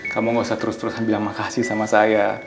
kamu gak usah terus terusan bilang makasih sama saya